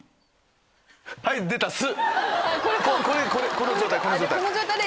この状態この状態！